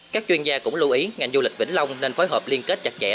các chuyên gia cũng lưu ý ngành du lịch vĩnh long nên phối hợp liên kết chặt chẽ